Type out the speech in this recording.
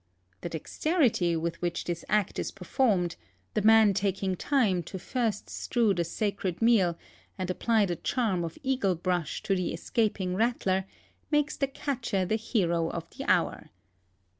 The dexteritv with which this act is performed, the man taking time to first strew the sacred meal and apply the charm of eagle brush to the escaping rattler, makes the catcher the hero of the hour.